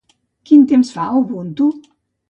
Quin temps fa, Ubuntu?